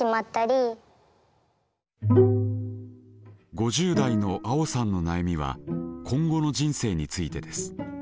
５０代のあおさんの悩みは今後の人生についてです。